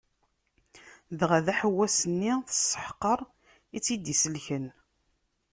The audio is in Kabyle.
Dɣa d aḥewwas- nni tesseḥqer i tt-id-isellken.